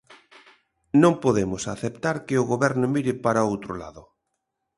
Non podemos aceptar que o Goberno mire para outro lado.